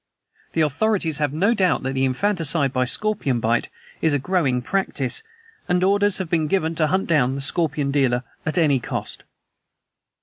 "The authorities have no doubt that infanticide by scorpion bite is a growing practice, and orders have been given to hunt down the scorpion dealer at any cost."